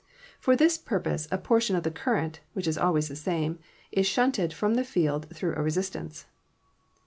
For this purpose a portion of the current (which is always the same) is shunted from the field through a resistance.